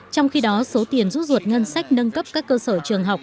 trong khi đó số tiền rút ruột ngân sách nâng cấp các cơ sở trường học